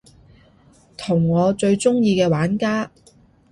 同我最鍾意嘅玩家